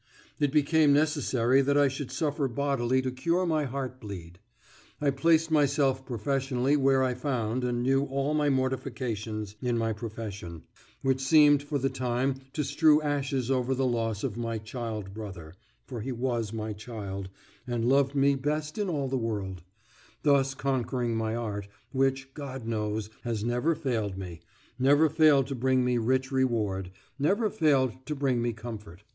It became necessary that I should suffer bodily to cure my heart bleed. I placed myself professionally where I found and knew all my mortifications in my profession, which seemed for the time to strew ashes over the loss of my child brother (for he was my child, and loved me best in all the world), thus conquering my art, which, God knows, has never failed me never failed to bring me rich reward never failed to bring me comfort.